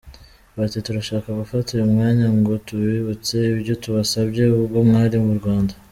Bati “Turashaka gufata uyu mwanya ngo tubibutse ibyo twabasabye ubwo mwari mu Rwanda.